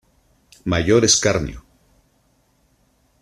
mayor escarnio.